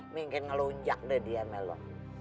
mungkin lu unjak deh dia sama lu